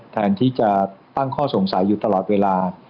แทนที่จะตั้งข้อสงสัยอยู่ตลอดเวลา